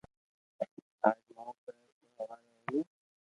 اج مون ڪرو تو ھواري ھوئي